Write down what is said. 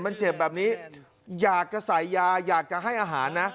มันเจ็บแบบนี้อยากจะใส่ยาอยากจะให้อาหารนะ